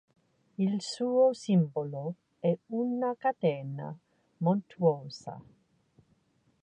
Il suo simbolo è una catena montuosa.